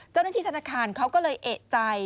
เจ้าหน้าที่ธนาคารเขาก็เลยเอกใจ